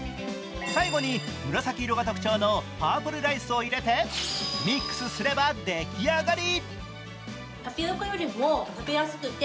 最後に紫色が特徴のパープルライスを入れてミックスすればでき上がり。